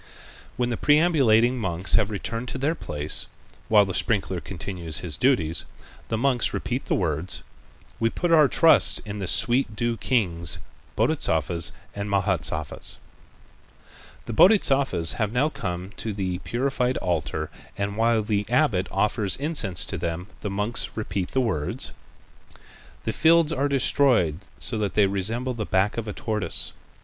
When the perambulating monks have returned to their place, while the sprinkler continues his duties, the monks repeat the words: "We put our trust in the sweet dew kings, Bodhisattvas and Mahâsattvas." The Bodhisattvas have now come to the purified altar and while the abbot offers incense to them, the monks repeat the words: "The fields are destroyed so that they resemble the back of a tortoise.